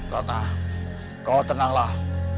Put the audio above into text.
ratna kau tenanglah